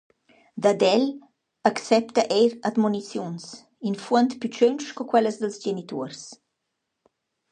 Dad el accepta eir admoniziuns, in fuond plüchöntsch co quellas dals genituors.